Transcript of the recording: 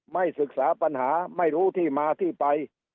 ไม่ศึกษาปัญหาไม่รู้ที่มาที่ไป